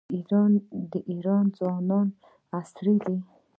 د ایران ځوانان عصري دي.